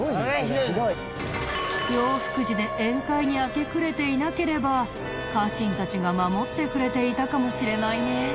永福寺で宴会に明け暮れていなければ家臣たちが守ってくれていたかもしれないね。